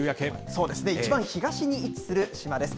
そうですね、一番東に位置する島です。